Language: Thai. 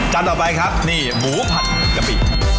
ต่อไปครับนี่หมูผัดกะปิ